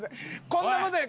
こんな事に。